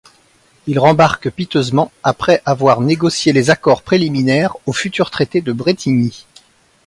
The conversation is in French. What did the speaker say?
Il rembarque piteusement, après avoir négocié les accords préliminaires au futur traité de Brétigny.